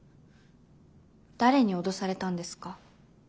誰に脅されたんですか？